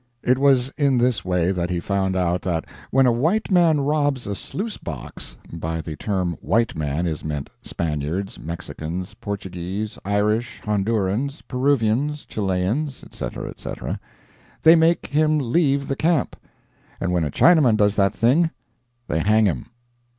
It was in this way that he found out that when a white man robs a sluice box (by the term white man is meant Spaniards, Mexicans, Portuguese, Irish, Hondurans, Peruvians, Chileans, etc., etc.), they make him leave the camp; and when a Chinaman does that thing, they hang him.